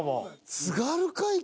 ［「津軽海峡」？］